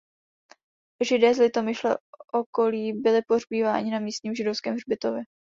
Židé z Litomyšle okolí byli pohřbíváni na místním židovském hřbitově.